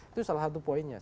itu salah satu poinnya